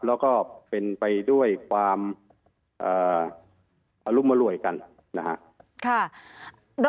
แล้วก็เป็นไปด้วยความอรุมอร่วยกันนะฮะ